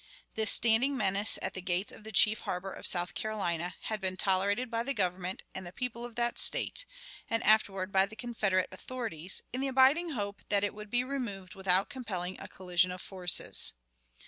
This standing menace at the gates of the chief harbor of South Carolina had been tolerated by the government and people of that State, and afterward by the Confederate authorities, in the abiding hope that it would be removed without compelling a collision of forces.